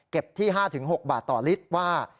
ที่๕๖บาทต่อลิตรว่า